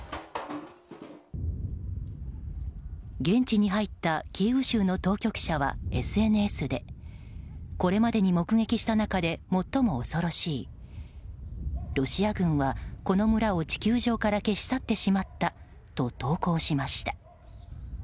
現地に入ったキーウ州の当局者はＳＮＳでこれまでに目撃した中で最も恐ろしいロシア軍はこの村を地球上から消し去ってしまったと投稿しました。